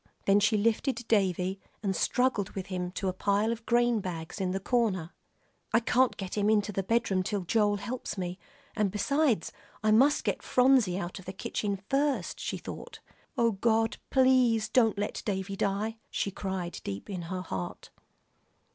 Then she lifted Davie and struggled with him to a pile of grain bags in the corner. "I can't get him into the bedroom till Joel helps me, and besides, I must get Phronsie out of the kitchen first," she thought. "Oh, God! please don't let Davie die," she cried deep in her heart.